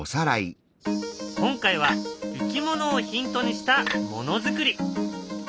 今回はいきものをヒントにしたものづくり。